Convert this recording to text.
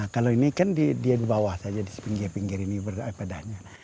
kalau ini kan dia di bawah saja di sepinggir pinggir ini beragam padahannya